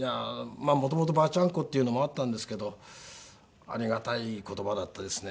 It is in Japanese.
まあもともとばあちゃんっ子っていうのもあったんですけどありがたい言葉だったですね。